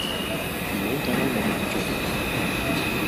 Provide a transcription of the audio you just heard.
唔好詆毀我偶像喎